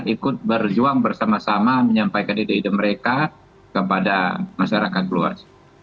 ikut berjuang bersama sama menyampaikan ide ide mereka kepada masyarakat luas